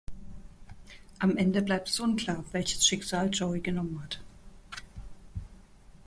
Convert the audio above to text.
Am Ende bleibt es unklar, welches Schicksal Joey genommen hat.